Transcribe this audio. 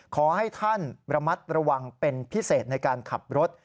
ขอให้ท่านระมัดระวังเป็นพิเศษในการขับรถ